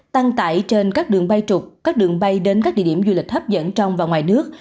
tăng tải trên các đường bay trục các đường bay đến các địa điểm du lịch hấp dẫn trong và ngoài nước